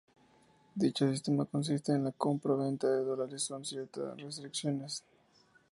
Dicho sistema consiste en la compra-venta de dólares con ciertas restricciones.